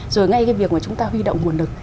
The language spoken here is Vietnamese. rồi ngay cái việc mà chúng ta huy động nguồn lực